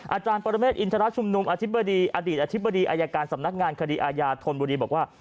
อาจารย์ปรเมฆอินทรชุมนุมอธิบดีอดีตอธิบดีอายการสำนักงานคดีอาญาธนบุรีบอกว่า